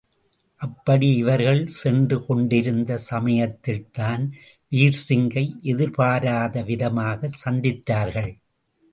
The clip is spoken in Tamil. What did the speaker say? அப்படி இவர்கள் சென்றுகொண்டிருந்த சமயத்தில்தான் வீர்சிங்கை எதிர்பாராத விதமாகச் சந்தித்தார்கள்.